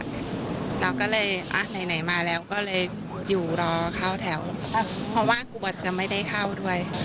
เราก็เลยอ่ะไหนมาแล้วก็เลยอยู่รอเข้าแถวเพราะว่ากลัวจะไม่ได้เข้าด้วย